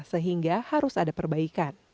sehingga harus ada perbaikan